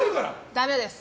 ダメです。